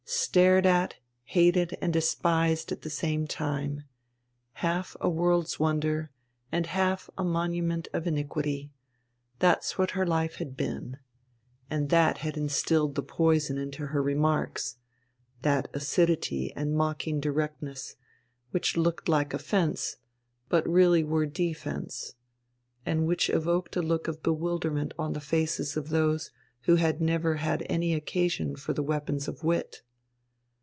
Stared at, hated and despised at the same time, half a world's wonder and half a monument of iniquity, that's what her life had been, and that had instilled the poison into her remarks, that acidity and mocking directness, which looked like offence but really were defence, and which evoked a look of bewilderment on the faces of those who had never had any occasion for the weapons of wit.